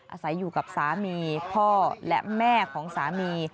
อาศัยอยู่กับสามีพ่อและแม่ของสามี